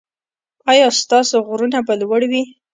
ایا ستاسو غرونه به لوړ وي؟